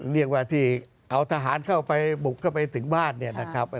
เรียกว่าที่เอาทหารเข้าไปบุกเข้าไปถึงบ้านเนี่ยนะครับ